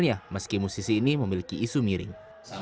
pertama kali musisi ini memiliki isu miring